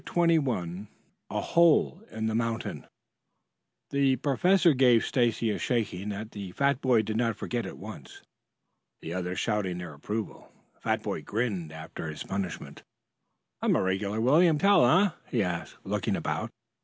CHAPTER XXI A HOLE IN THE MOUNTAIN The professor gave Stacy a shaking that the fat boy did not forget at once, the others shouting their approval. The fat boy grinned after his punishment. "I'm a regular William Tell, eh?" he asked looking about.